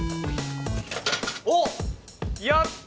おっやった！